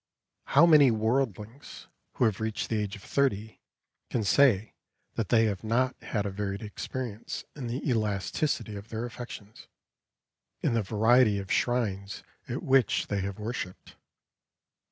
How many worldlings who have reached the age of thirty can say that they have not had a varied experience in the elasticity of their affections, in the variety of shrines at which they have worshipped?